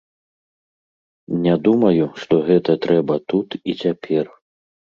Не думаю, што гэта трэба тут і цяпер.